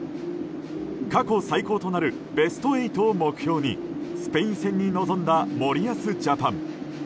過去最高となるベスト８を目標にスペイン戦に臨んだ森保ジャパン。